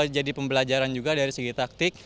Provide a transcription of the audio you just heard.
jadi pembelajaran juga dari segi taktik